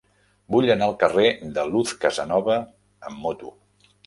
Vull anar al carrer de Luz Casanova amb moto.